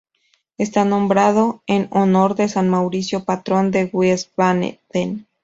Está nombrado en honor de San Mauricio, patrón de Wiesbaden.